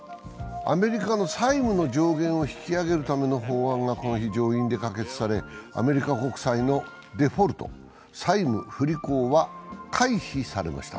アメリカの債務の上限を引き上げるための法案がこの日、上院で可決されアメリカ国債のデフォルト＝債務不履行は回避されました。